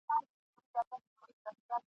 د چا سل وه د چا زر كاله عمرونه !.